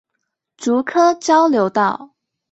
竹科交流道